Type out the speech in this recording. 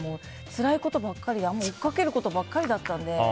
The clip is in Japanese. つらいことばっかり追いかけることばかりだったので。